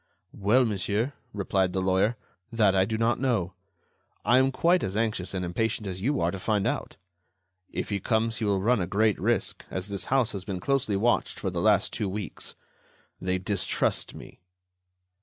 "Well, monsieur," replied the lawyer, "that I do not know, but I am quite as anxious and impatient as you are to find out. If he comes, he will run a great risk, as this house has been closely watched for the last two weeks. They distrust me."